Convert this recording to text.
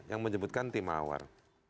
yang menyebutkan timawar